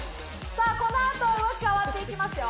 さあ、このあと動き変わっていきますよ。